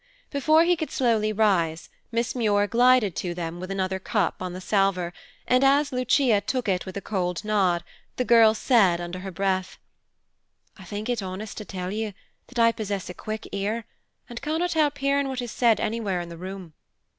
Before he could slowly rise, Miss Muir glided to them with another cup on the salver; and, as Lucia took it with a cold nod, the girl said under her breath, "I think it honest to tell you that I possess a quick ear, and cannot help hearing what is said anywhere in the room.